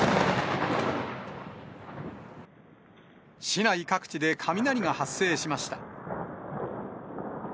市内各地で雷が発生しました。